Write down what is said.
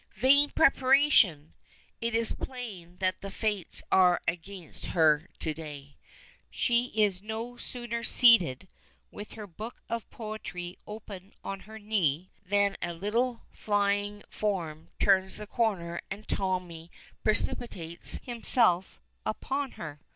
Vain preparation! It is plain that the fates are against her to day. She is no sooner seated, with her book of poetry open on her knee, than a little flying form turns the corner and Tommy precipitates himself upon her.